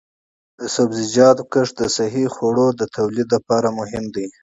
د سبزیجاتو کښت د صحي خوړو د تولید لپاره مهم دی.